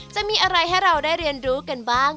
จะมีอะไรให้เราได้เรียนรู้กันบ้าง